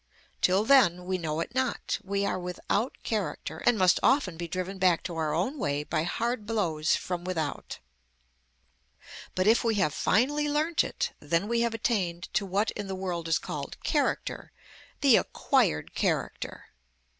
Till then we know it not, we are without character, and must often be driven back to our own way by hard blows from without. But if we have finally learnt it, then we have attained to what in the world is called character, the acquired character.